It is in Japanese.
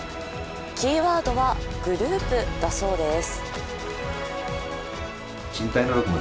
キーワードはグループだそうです。